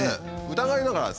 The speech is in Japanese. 疑いながら先生